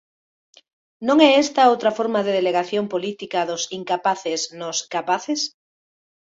Non é esta outra forma de delegación política dos "incapaces" nos "capaces"?